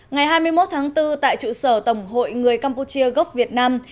ngày hai mươi một tháng bốn tại trụ sở tổng hội người campuchia gốc việt nam